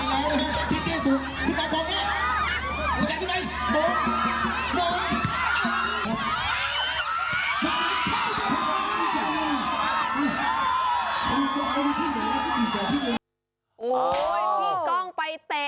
โอ้ยพี่กล้องไปเต็ม